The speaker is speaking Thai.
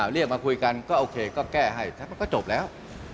เรียกมาคุยกันก็โอเคก็แก้ให้มันก็จบแล้ว